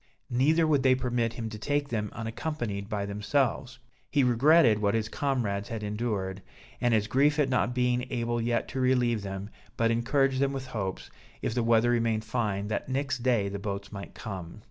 Neither would they permit him to take them unaccompanied by themselves; he regretted what his comrades had endured, and his grief at not being able yet to relieve them, but encouraged them with hopes, if the weather remained fine, that next day the boats might come.